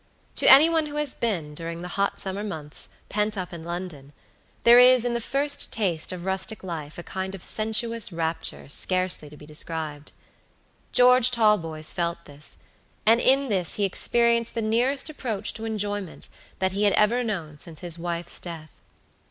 To any one who has been, during the hot summer months, pent up in London, there is in the first taste of rustic life a kind of sensuous rapture scarcely to be described. George Talboys felt this, and in this he experienced the nearest approach to enjoyment that he had ever known since his wife's death.